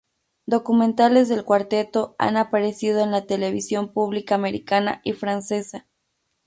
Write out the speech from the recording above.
Documentales del Cuarteto han aparecido en la televisión pública americana y francesa.